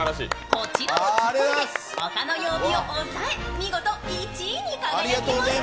こちらのツッコミで他の曜日を抑え、見事１位になりました。